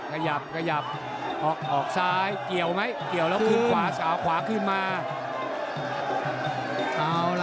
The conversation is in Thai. ขยับขยับออกซ้ายเกี่ยวไหมเกี่ยวแล้วขึ้นขวาสาวขวาขึ้นมา